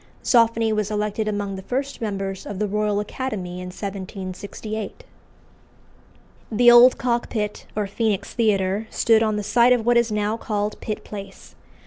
Zoffany was elected among the first members of the Royal Academy in 1768. The old Cockpit, or Phœnix Theatre, stood on the site of what is now called Pitt Place.